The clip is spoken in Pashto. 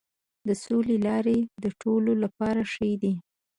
د سولې لارې د ټولو لپاره ښې دي.